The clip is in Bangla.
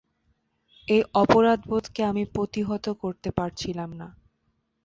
এই অপরাধবোধকে আমি প্রতিহত করতে পারছিলাম না।